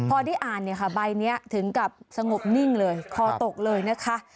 พอได้อ่านเนี่ยค่ะใบนี้ถึงกับสงบนิ่งเลยคอตกเลยนะคะ